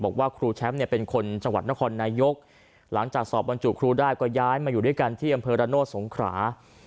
บอกว่าครูแชมป์เนี่ยเป็นคนจังหวัดนครนายกหลังจากสอบบรรจุครูได้ก็ย้ายมาอยู่ด้วยกันที่อำเภอระโนธสงขรา